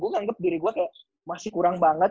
gue nganggep diri gue kayak masih kurang banget